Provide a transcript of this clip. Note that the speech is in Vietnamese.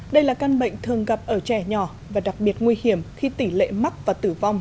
đây là căn bệnh thường gặp ở trẻ nhỏ và đặc biệt nguy hiểm khi tỷ lệ mắc và tử vong